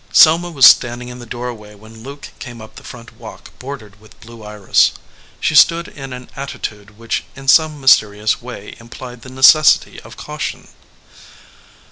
Selma was standing in the doorway when Luke came up the front walk bordered with blue iris. She stood in an attitude which in some mysterious way implied the necessity of caution.